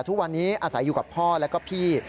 ทุกวันนี้อาศัยอยู่กับพ่อแล้วก็พี่